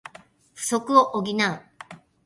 不足を補う